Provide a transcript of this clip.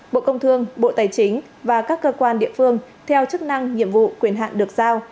bộ công thương bộ tài chính và các cơ quan địa phương theo chức năng nhiệm vụ quyền hạn được giao